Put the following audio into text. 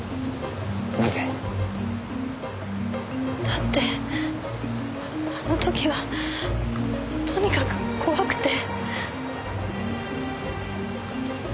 なぜ？だってあの時はとにかく怖くて。